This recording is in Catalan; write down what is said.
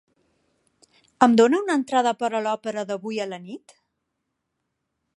Em dona una entrada per a l'òpera d'avui a la nit?